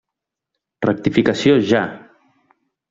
Rectificació ja!